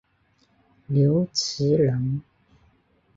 刘词人。